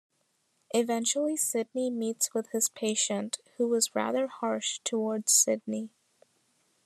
Eventually Sidney meets with his patient, who is rather harsh towards Sidney.